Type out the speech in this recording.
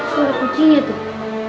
suara kucingnya tuh